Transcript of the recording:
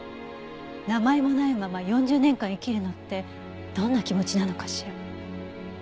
名前もないまま４０年間生きるのってどんな気持ちなのかしら。